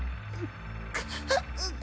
あっ